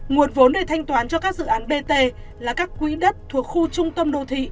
nguồn vốn để thanh toán cho các dự án bt là các quỹ đất thuộc khu trung tâm đô thị